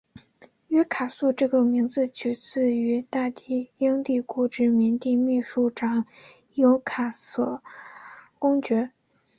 纽卡素这个名字取自于大英帝国殖民地秘书长纽卡素公爵。